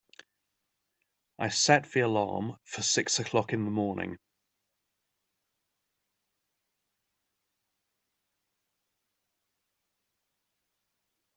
I set the alarm for six o'clock in the morning.